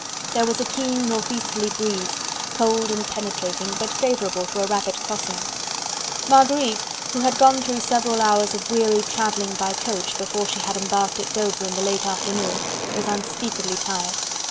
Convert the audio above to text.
There was a keen northeasterly breeze, cold and penetrating, but favourable to a rapid crossing. Marguerite, who had gone through several hours of weary travelling by coach, before she had embarked at Dover in the late afternoon, was unspeakably tired.